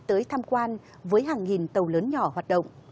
tới tham quan với hàng nghìn tàu lớn